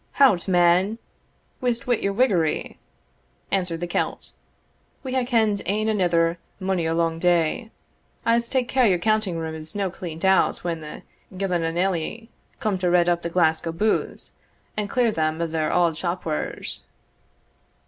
"Hout, man whisht wi' your whiggery," answered the Celt; "we hae ken'd ane anither mony a lang day. I'se take care your counting room is no cleaned out when the Gillon a naillie* come to redd up the Glasgow buiths, and clear them o' their auld shop wares.